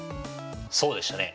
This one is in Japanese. そうでしたね。